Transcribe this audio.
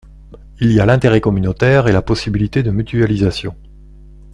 Il y a l’intérêt communautaire et la possibilité de mutualisation.